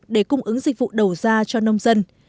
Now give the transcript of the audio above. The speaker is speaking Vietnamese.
để cung ứng dịch vụ đầu ra cho nông dân